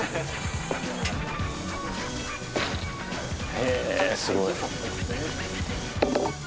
へぇすごい。